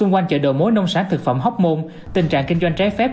quanh chợ đồ mối nông sản thực phẩm hóc môn tình trạng kinh doanh trái phép